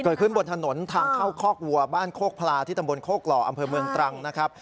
บนถนนทางเข้าคอกวัวบ้านโคกพลาที่ตำบลโคกหล่ออำเภอเมืองตรังนะครับ